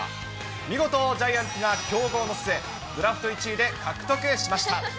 見事、ジャイアンツが競合の末、ドラフト１位で獲得しました。